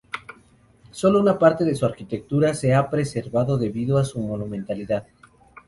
Sólo una parte de su arquitectura se ha preservado debido a su monumentalidad.